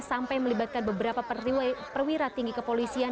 sampai melibatkan beberapa perwira tinggi kepolisian